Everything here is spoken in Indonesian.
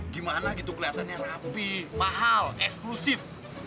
gimana gitu kelihatannya rapi mahal eksklusif